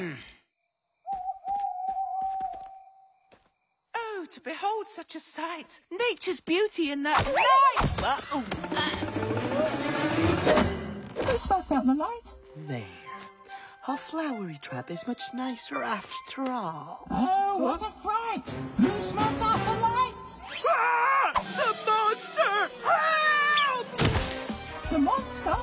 えっモンスター？